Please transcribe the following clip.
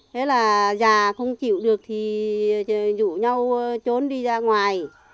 thế là già không chịu được thì rủ nhau trốn đi ra ngoài